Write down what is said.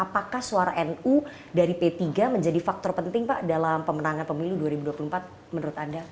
apakah suara nu dari p tiga menjadi faktor penting pak dalam pemenangan pemilu dua ribu dua puluh empat menurut anda